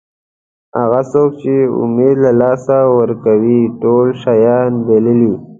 هغه څوک چې امید له لاسه ورکوي ټول شیان بایلي.